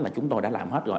là chúng tôi đã làm hết rồi